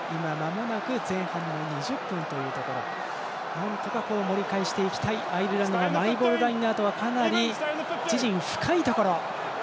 なんとか盛り返していきたいアイルランドはマイボールラインアウトはかなり自陣深いところ。